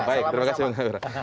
baik terima kasih